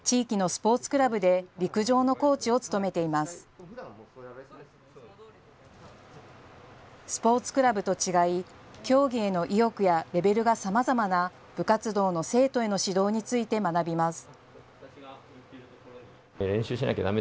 スポーツクラブと違い競技への意欲やレベルがさまざまな部活動の生徒への指導について学びます。